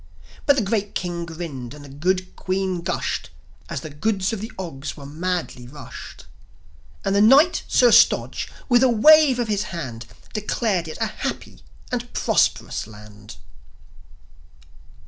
But the great King grinned, and the good Queen gushed, As the goods of the Ogs were madly rushed. And the Knight, Sir Stodge, with a wave of his hand, Declared it a happy and prosperous land.